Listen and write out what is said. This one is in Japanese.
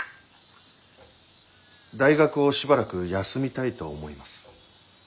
大学をしばらく休みたいと思います。